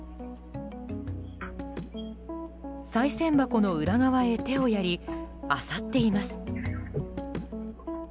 さい銭箱の裏側へ手をやり、あさっています。